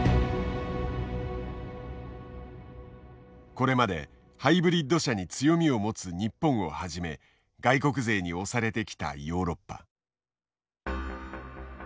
これまでハイブリッド車に強みを持つ日本をはじめ外国勢に押されてきたヨーロッパ。